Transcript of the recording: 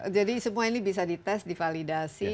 jadi semua ini bisa dites divalidasi